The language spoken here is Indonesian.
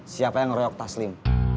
siapa yang reok taslim